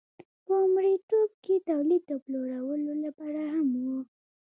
په مرئیتوب کې تولید د پلورلو لپاره هم و.